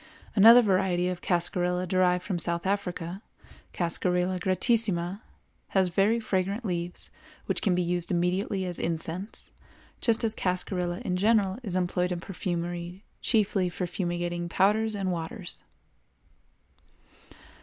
Another variety of cascarilla derived from South Africa, Cascarilla gratissima, has very fragrant leaves which can be used immediately as incense, just as cascarilla in general is employed in perfumery chiefly for fumigating powders and waters.